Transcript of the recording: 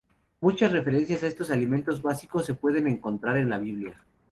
Muchas referencias a estos alimentos básicos se pueden encontrar en la Biblia.